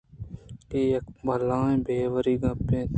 اے یک بلاہیں باوری گپے اِنت